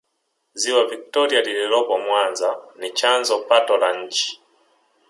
ziwa victoria lililopo mwanza ni chanzo pato la nchi